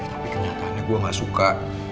tapi kenyataannya gue gak suka